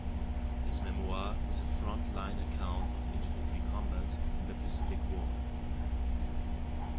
His memoir is a front-line account of infantry combat in the Pacific War.